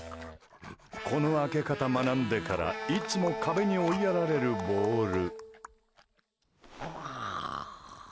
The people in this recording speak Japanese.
この開け方学んでからいつも壁に追いやられるボール。